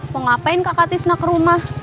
mau ngapain kakak tisna ke rumah